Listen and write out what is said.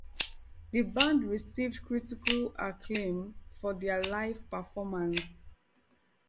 The band received critical acclaim for their live performances.